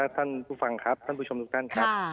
ท่านผู้ฟังครับท่านผู้ชมทุกท่านครับ